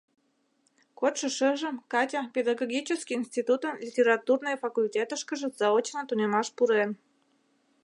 Кодшо шыжым Катя педагогический институтын литературный факультетышкыже заочно тунемаш пурен.